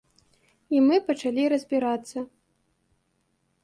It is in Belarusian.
І мы пачалі разбірацца.